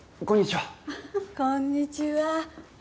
こんにちは。